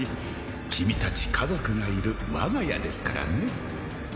君達家族がいる我が家ですからね